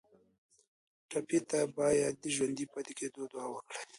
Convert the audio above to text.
ټپي ته باید د ژوندي پاتې کېدو دعا وکړو.